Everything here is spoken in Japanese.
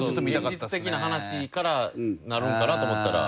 現実的な話からなるんかなと思ったら。